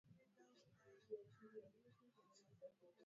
barabara msikilizaji nikualike sasa kusikiliza mahojiano